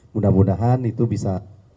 mudah mudahan itu bisa